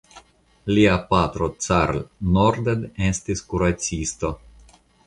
Lia patro Carl Norden estis kuracisto.